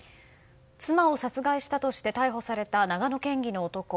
妻を殺害したとして逮捕された長野県議の男。